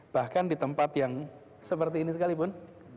bahkan di tempat yang seperti ini sekalipun